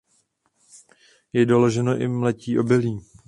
Je doloženo i mletí obilí.